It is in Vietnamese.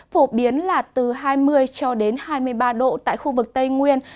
phổ biến là từ hai mươi cho đến hai mươi ba độ tại khu vực tây nguyên